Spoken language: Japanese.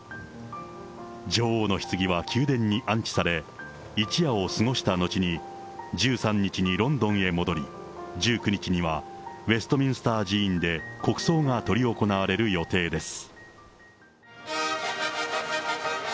女王のひつぎは宮殿に安置され、一夜を過ごした後に、１３日にロンドンへ戻り、１９日にはウェストミンスター寺院で国葬が執り行われる予定です。